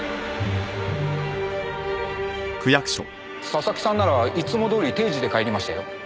佐々木さんならいつもどおり定時で帰りましたよ。